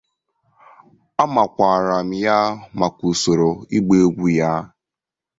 A makwaara ya maka usoro ịgba egwu ya.